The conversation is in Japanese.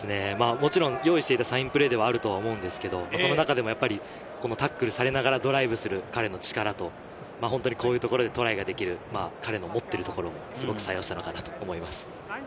もちろん用意していたサインプレーではあると思うんですがその中でもタックルされながらドライブする彼の力と、こういうところでトライができる、彼の持っているところをすごく作用したのかなと思います。